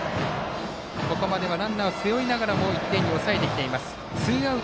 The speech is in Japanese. ここまではランナーを背負いながらも１点に抑えてきています。